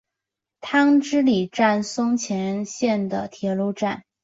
汤之里站松前线的铁路站。